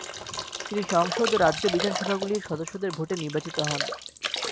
তিনি সংসদ ও রাজ্য বিধানসভাগুলির সদস্যদের ভোটে নির্বাচিত হন।